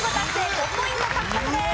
５ポイント獲得です。